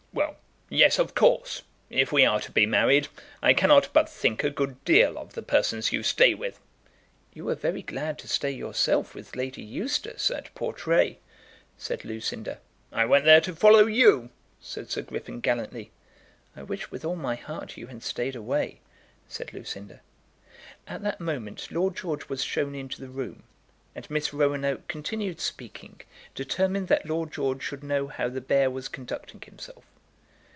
"Well; yes, of course; if we are to be married, I cannot but think a good deal of the persons you stay with." "You were very glad to stay yourself with Lady Eustace at Portray," said Lucinda. "I went there to follow you," said Sir Griffin gallantly. "I wish with all my heart you had stayed away," said Lucinda. At that moment Lord George was shown into the room, and Miss Roanoke continued speaking, determined that Lord George should know how the bear was conducting himself.